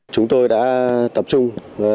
chúng tôi đã tập trung